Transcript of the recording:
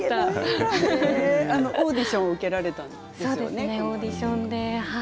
オーディションを受けられたんですよね。